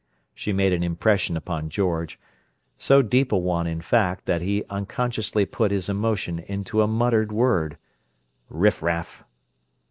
She made an impression upon George, so deep a one, in fact, that he unconsciously put his emotion into a muttered word: Riffraff!